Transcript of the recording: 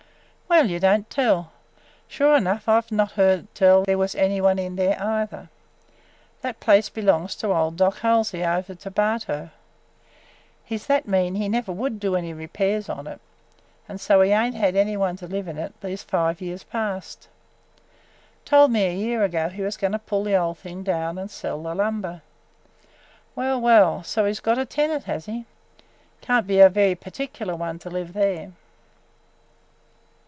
"Well, you don't tell! Sure 'nough I had n't heard tell there was any one there either. That place belongs to old Doc Halsey over to Bartow. He 's that mean he never would do any repairs on it, and so he ain't had any one to live in it these five years past. Told me a year ago he was going to pull the old thing down and sell the lumber. Well, well! So he 's got a tenant, has he? Can't be a very perticaler one to live there!"